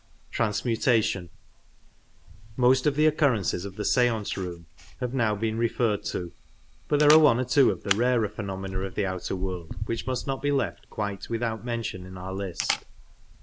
Most of the occurrences of the skance xoova have now been referred to, but there are one or two of the rarer phenomena of the outer world which must not be left quite without mention in our list.